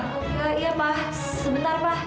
enggak iya mas sebentar mas